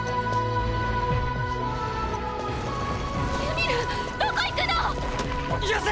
ユミルどこ行くの⁉よせ！